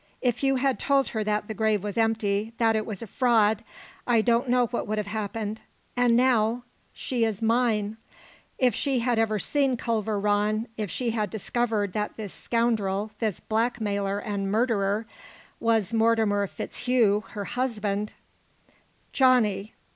If you had told her that the grave was empty, that it was a fraud, I don't know what would have happened. And now she is mine! If she had seen Culver Rann, if she had discovered that this scoundrel, this blackmailer and murderer, was Mortimer FitzHugh, her husband " "Johnny!